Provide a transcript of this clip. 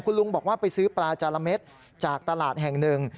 คุณลุงบอกว่าไปซื้อปลาจาระเม็ดจากตลาดแห่งหนึ่ง